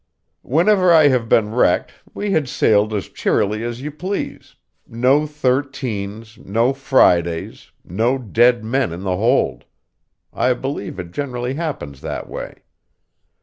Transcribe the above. Whenever I have been wrecked, we had sailed as cheerily as you please no thirteens, no Fridays, no dead men in the hold. I believe it generally happens that way.